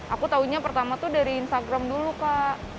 aku taunya pertama tuh dari instagram dulu kak